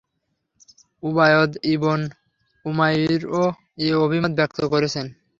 Ubaid ibn উমায়রও এ অভিমত ব্যক্ত করেছেন।